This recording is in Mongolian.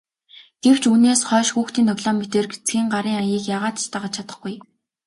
Гэвч үүнээс хойш хүүхдийн тоглоом мэтээр эцгийн гарын аяыг яагаад ч дагаж чадахгүй.